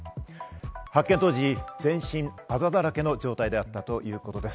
発見当時、全身あざだらけの状態であったということです。